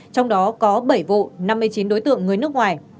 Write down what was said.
trong đó có bảy vụ năm mươi chín đối tượng người nước ngoài